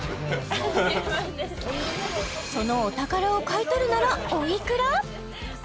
そのお宝を買い取るならおいくら？